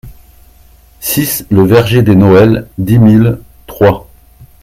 six le Verger des Noëls, dix mille Troyes